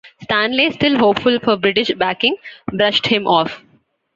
Stanley, still hopeful for British backing, brushed him off.